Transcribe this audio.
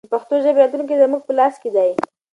د پښتو ژبې راتلونکی زموږ په لاس کې دی.